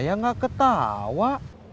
saya gak ketawa